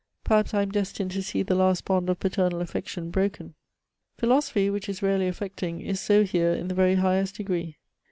Pemaps I am destined to see the last bond of paternal affection broken !" Philosophy, which is rarely affecting, is so here in the very highest degree.